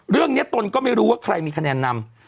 เรื่องนี้ตนก็ไม่รู้ว่าใครมีคะแนนนำ